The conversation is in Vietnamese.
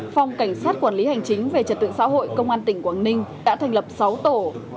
phòng cảnh sát quản lý hành chính về trật tự xã hội công an tỉnh quảng ninh đã thành lập sáu tổ